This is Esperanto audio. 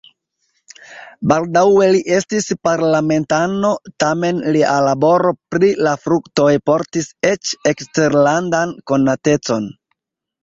Baldaŭe li estis parlamentano, tamen lia laboro pri la fruktoj portis eĉ eksterlandan konatecon.